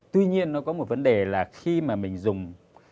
tuy nhiên nó có một vấn đề là khi mà mình dùng